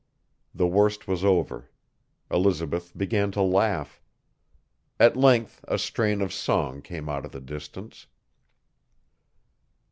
The worst was over. Elizabeth began to laugh. At length a strain of song came out of the distance.